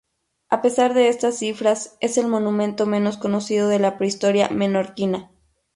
A pesar de estas cifras, es el monumento menos conocido de la prehistoria menorquina.